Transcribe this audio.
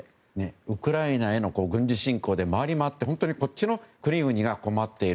ウクライナへの軍事侵攻でまわりまわって本当にこっちの国々が困っている。